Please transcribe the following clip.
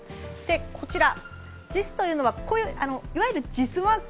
こちら、ＪＩＳというのはいわゆるＪＩＳマーク